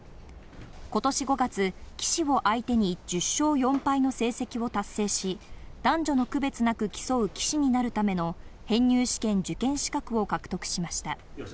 今年５月、棋士を相手に１０勝４敗の成績を達成し、男女の区別なく競う棋士になるための編入試験受験資格を獲得しました。